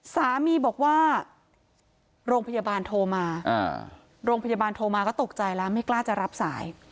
สามีบอกว่าโรงพยาบาลโทรมาโรงพยาบาลโทรมาก็ตกใจแล้วไม่กล้าจะรับสาย